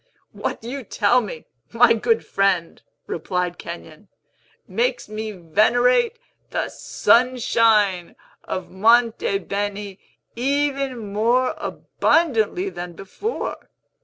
"What you tell me, my good friend," replied Kenyon, "makes me venerate the Sunshine of Monte Beni even more abundantly than before.